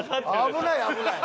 危ない危ない。